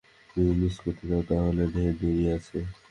যদি মিস করতে চাও তা হলে ঢের দেরি আছে।